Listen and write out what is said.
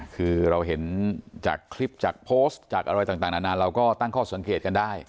คือเราเห็นจากคลิปจากโพสต์จากอะไรต่างนานาเราก็ตั้งข้อสังเกตกันได้